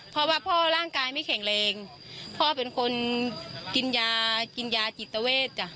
เพราะว่าพ่อร่างกายไม่แข็งแรงพ่อเป็นคนกินยากินยาจิตเวทจ้ะ